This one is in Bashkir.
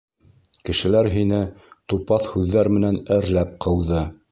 — Кешеләр һине тупаҫ һүҙҙәр менән әрләп ҡыуҙы.